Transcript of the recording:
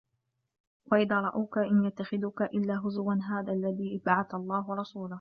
وَإِذا رَأَوكَ إِن يَتَّخِذونَكَ إِلّا هُزُوًا أَهذَا الَّذي بَعَثَ اللَّهُ رَسولًا